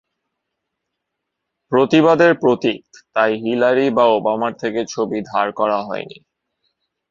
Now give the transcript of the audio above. প্রতিবাদের প্রতীক তাই হিলারি বা ওবামার থেকে ছবি ধার করা হয়নি।